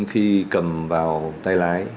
khi cầm vào tay lái